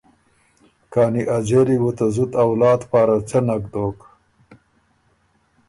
کانی ا ځېلی بو ته زُت اولاد پاره څۀ نک دوک؟